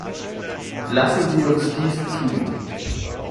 Lassen Sie uns dies tun.